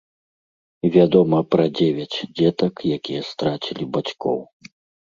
Вядома пра дзевяць дзетак, якія страцілі бацькоў.